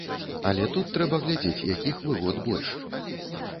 Але тут трэба глядзець, якіх выгод больш.